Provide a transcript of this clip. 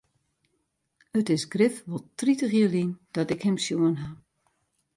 It is grif wol tritich jier lyn dat ik him sjoen ha.